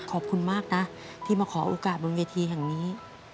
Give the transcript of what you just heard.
ขอบคุณมากนะที่มาขอโอกาสบนเวทีแห่งนี้